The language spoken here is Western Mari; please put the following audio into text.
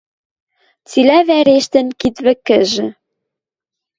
Цилӓ вӓрештӹн кид вӹкӹжӹ.